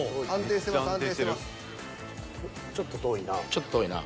ちょっと遠いな。